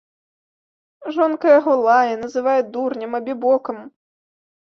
Жонка яго лае, называе дурнем, абібокам.